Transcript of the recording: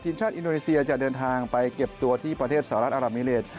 ชาติอินโดนีเซียจะเดินทางไปเก็บตัวที่ประเทศสหรัฐอารับมิเลส